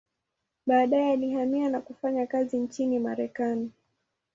Baadaye alihamia na kufanya kazi nchini Marekani.